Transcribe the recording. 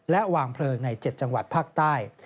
และวางเพลิงใน๗จังหวัดภาคใต้